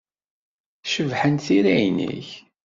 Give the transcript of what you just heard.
Cebḥent tira-nnek.